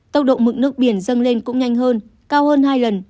tốc độ mực nước biển dâng lên cũng nhanh hơn cao hơn hai lần